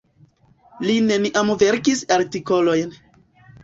Li neniam verkis artikolojn.